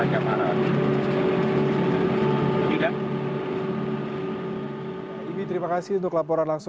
ini juga perlengkapan dari jemaah haji yang bergantung jauh